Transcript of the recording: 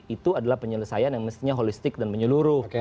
itu adalah penyelesaian yang mestinya holistik dan menyeluruh